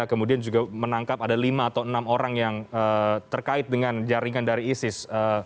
kemudian juga menangkap ada lima atau enam orang yang terkait dengan jaringan dari isis